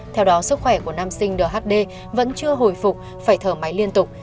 theo đó sức khỏe của nam sinh đhd vẫn chưa hồi phục phải thở máy liên tục